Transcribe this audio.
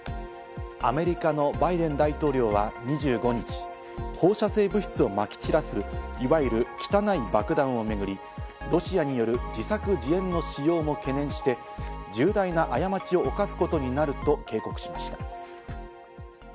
アメリカのバイデン大統領は２５日、放射性物質を撒き散らす、いわゆる「汚い爆弾」をめぐり、ロシアによる自作自演の使用も懸念して、重大な過ちを犯すことになると警告しました。